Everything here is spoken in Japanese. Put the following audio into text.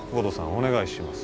お願いします